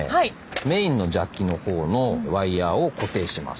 メインのジャッキのほうのワイヤーを固定します。